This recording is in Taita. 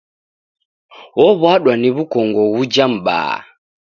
Ow'adwa ni w'ukongo ghuja m'baa.